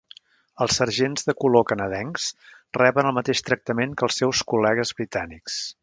Els sergents de color canadencs reben el mateix tractament que els seus col·legues britànics.